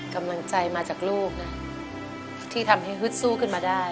กำลังใจมาจากลูกนะที่ทำให้ฮึดสู้ขึ้นมาได้